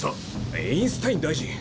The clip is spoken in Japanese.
エインスタイン大臣！